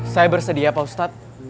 saya bersedia pak ustadz